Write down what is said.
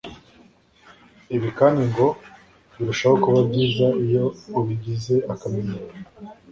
Ibi kandi ngo birushaho kuba byiza iyo ubigize akamenyero